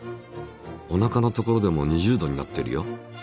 おなかの所でも２０度になっているよ。